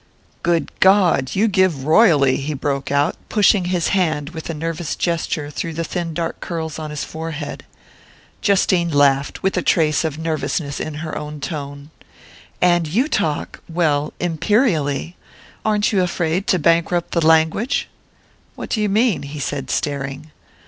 "Good God! You give royally!" he broke out, pushing his hand with a nervous gesture through the thin dark curls on his forehead. Justine laughed, with a trace of nervousness in her own tone. "And you talk well, imperially! Aren't you afraid to bankrupt the language?" "What do you mean?" he said, staring.